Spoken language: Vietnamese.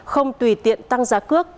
không tùy tiện tăng giá cước